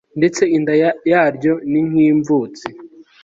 Ndetse inda yaryo ni nk imvutsi